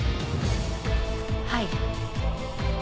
はい。